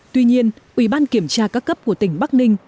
tuy nhiên ủy ban kiểm tra các cấp của tỉnh bắc ninh